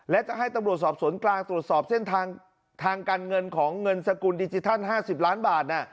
และจะให้ตำรวจสอบสวนกลางตรวจสอบเส้นทางทางการเงินของเงินสกุลดิจิทัล๕๐ล้านบาท